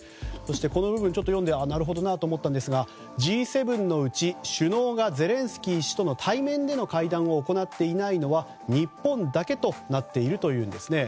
この部分を読んでなるほどなと思ったんですがＧ７のうち、首脳がゼレンスキー氏との対面での会談を行っていないのは日本だけとなっているというんです。